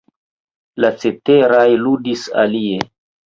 La ceteraj ludis alie.